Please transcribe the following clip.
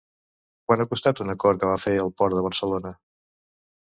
Quant ha costat un acord que va fer el Port de Barcelona?